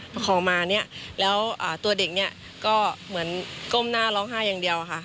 ประคองมาเนี่ยแล้วตัวเด็กเนี่ยก็เหมือนก้มหน้าร้องไห้อย่างเดียวค่ะ